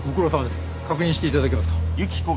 確認していただけますか？